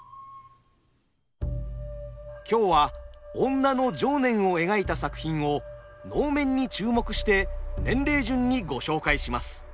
今日は女の情念を描いた作品を能面に注目して年齢順にご紹介します。